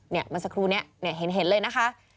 เมื่อสักครู่นี้เห็นเลยนะคะ